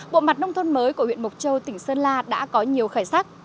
bộ mặt nông thôn mới của huyện mộc châu tỉnh sơn la đã có nhiều khởi sắc